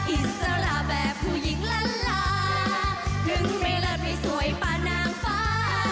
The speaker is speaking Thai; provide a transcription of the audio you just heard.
อิสระแบบผู้หญิงล้านลาถึงไม่เลิศให้สวยปานางฟ้า